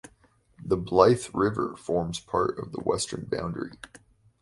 The Blythe River forms part of the western boundary.